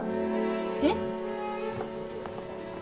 えっ？